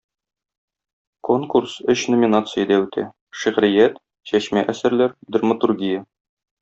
Конкурс өч номинациядә үтә: шигърият, чәчмә әсәрләр, драматургия.